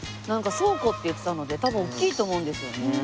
なんか倉庫って言ってたので多分おっきいと思うんですよね。